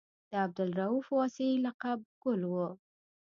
د عبدالرؤف واسعي لقب ګل و.